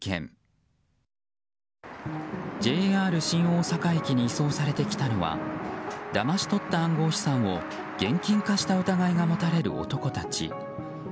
ＪＲ新大阪駅に移送されてきたのはだまし取った暗号資産を現金化した疑いが持たれる男たち。